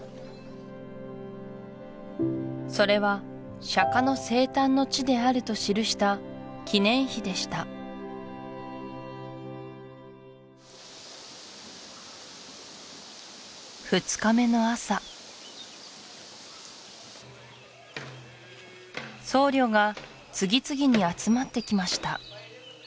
それは釈迦の生誕の地であると記した記念碑でした２日目の朝僧侶が次々に集まってきました